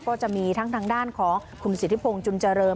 ก็จะมีทั้งทางด้านของคุณสิทธิพงศ์จุนเจริญ